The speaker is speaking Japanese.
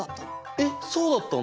えっそうだったんだ。